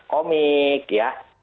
kami punya komik